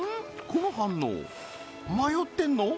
この反応迷ってんの？